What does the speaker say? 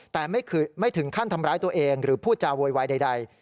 แต่ไม่ถึงขั้นทำร้ายตัวเองหรือพูดจาโวยวายใด